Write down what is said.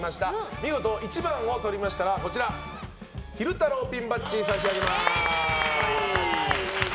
見事１番をとりましたら昼太郎ピンバッジ差し上げます。